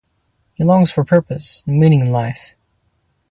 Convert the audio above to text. He longs for purpose and meaning in life.